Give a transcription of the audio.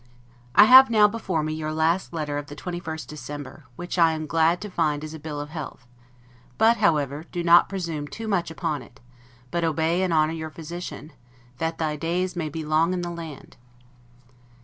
I have now before me your last letter of the 21st December, which I am glad to find is a bill of health: but, however, do not presume too much upon it, but obey and honor your physician, "that thy days may be long in the land."